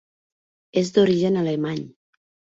És d'origen alemany.